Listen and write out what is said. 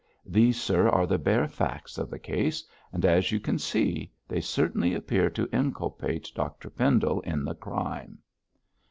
These, sir, are the bare facts of the case, and, as you can see, they certainly appear to inculpate Dr Pendle in the crime.'